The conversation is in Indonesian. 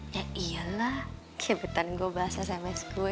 ya iyalah kebetulan gue bahas sms gue